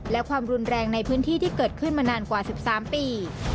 และความรุนแรงในพื้นที่ที่เกิดขึ้นมานานกว่า๑๓ปี